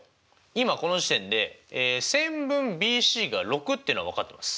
今この時点で線分ＢＣが６っていうのは分かっています。